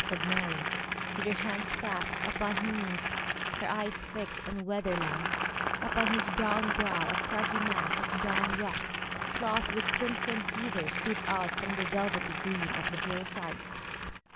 said Mary, with her hands clasped upon her knees, her eyes fixed on Wetherlam, upon whose steep brow a craggy mass of brown rock clothed with crimson heather stood out from the velvety green of the hill side.